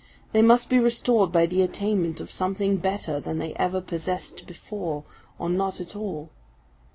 They must be restored by the attainment of something better than they ever possessed before, or not at all.